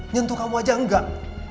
nyentuh kamu aja enggak